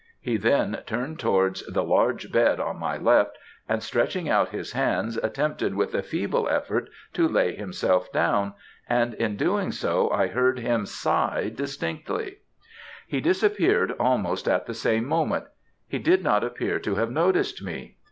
He then turned towards the large bed on my left, and stretching out his hands attempted with a feeble effort to lay himself down, and in doing so I heard him sigh distinctly. He disappeared almost at the same moment. He did not appear to have noticed me.